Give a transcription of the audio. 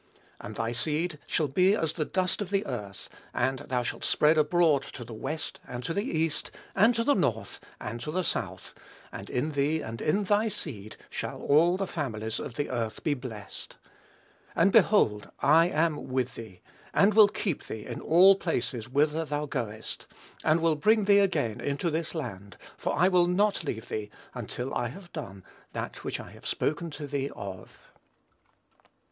And thy seed shall be as the dust of the earth, and thou shalt spread abroad to the west, and to the east, and to the north and to the south: and in thee and in thy seed shall all the families of the earth be blessed. And, behold, I am with thee, and will keep thee in all places whither thou goest, and will bring thee again into this land; for I will not leave thee, until I have done that which I have spoken to thee of."